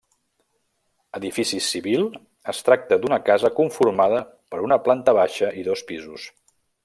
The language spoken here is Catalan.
Edifici civil, es tracta d'una casa conformada per una planta baixa i dos pisos.